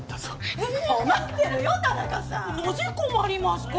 えっ？